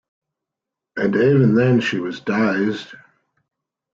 And even then she was dazed.